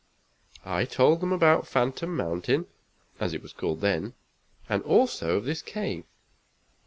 I told them about Phantom Mountain, as it was called then, and also of this cave.